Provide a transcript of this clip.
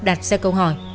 đặt ra câu hỏi